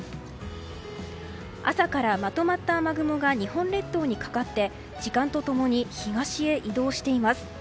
朝からまとまった雨雲が日本列島にかかって時間と共に東へ移動しています。